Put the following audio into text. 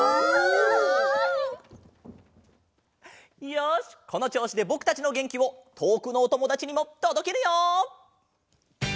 よしこのちょうしでぼくたちのげんきをとおくのおともだちにもとどけるよ！